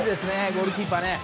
ゴールキーパーです。